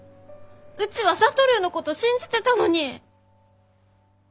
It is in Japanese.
うちは智のこと信じてたのに！